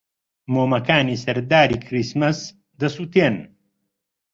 مۆمەکانی سەر داری کریسمس دەسووتێن.